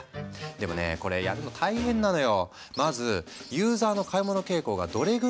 でもねこれやるの大変なのよ。